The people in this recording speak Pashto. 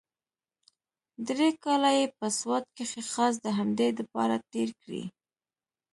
درې کاله يې په سوات کښې خاص د همدې دپاره تېر کړي.